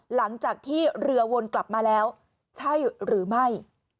หลังจากที่เรือวนกลับมาแล้วใช่หรือไม่